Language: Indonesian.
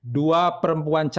dua perempuan cina